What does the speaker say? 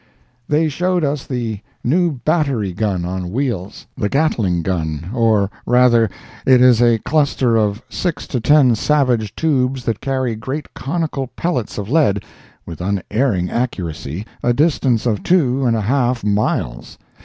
They showed us the new battery gun on wheels—the Gatling gun, or rather, it is a cluster of six to ten savage tubes that carry great conical pellets of lead, with unerring accuracy, a distance of two and a half miles.